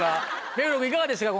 目黒君いかがでしたか？